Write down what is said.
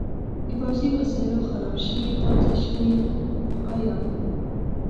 د پوځي وسایلو خراب شوي پاتې شوني بقایا.